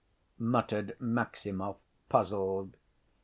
muttered Maximov, puzzled.